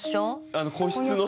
あの個室の。